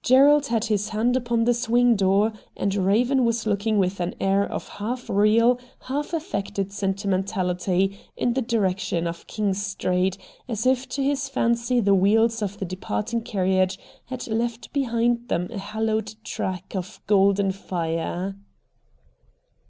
Gerald had his hand upon the swing door, and Eaven was looking with an air of half real, half affected sentimentality IN THE DOORWAY 85 in the direction of King Street, as if to his fancy the wheels of the departing carriage had left behind them a hallowed track of golden fire.